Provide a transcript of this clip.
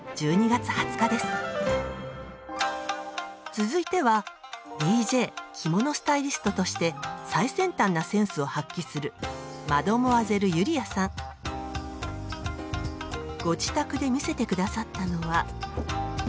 続いてはＤＪ・着物スタイリストとして最先端なセンスを発揮するご自宅で見せて下さったのは。